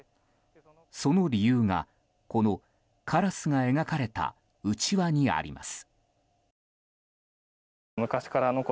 その理由がこのカラスが描かれたうちわにあります。